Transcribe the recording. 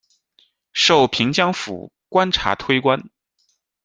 授平江府观察推官。